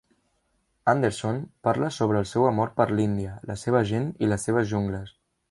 Anderson parla sobre el seu amor per l'Índia, la seva gent i les seves jungles.